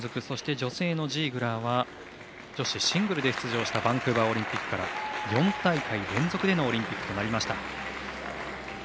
そして、女性のジーグラーは女子シングルで出場したバンクーバーオリンピックから４大会連続でのオリンピックとなりました。